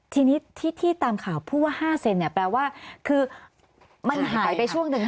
ทีนี้ที่ตามข่าวพูดว่า๕เซนเนี่ยแปลว่าคือมันหายไปช่วงหนึ่ง